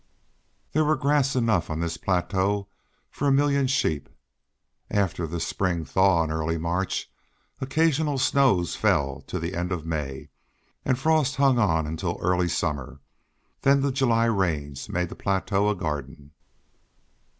There was grass enough on this plateau for a million sheep. After the spring thaw in early March, occasional snows fell till the end of May, and frost hung on until early summer; then the July rains made the plateau a garden.